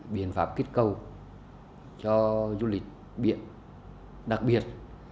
biện pháp kích cầu cho du lịch biển đặc biệt